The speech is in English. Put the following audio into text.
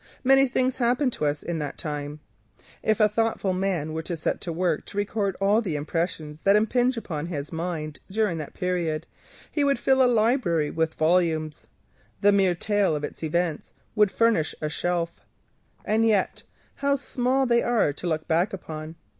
Many things happen to us in that time. If a thoughtful person were to set to work to record all the impressions which impinge upon his mind during that period, he would fill a library with volumes, the mere tale of its events would furnish a shelf. And yet how small they are to look back upon.